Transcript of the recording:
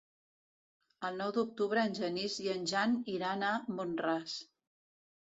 El nou d'octubre en Genís i en Jan iran a Mont-ras.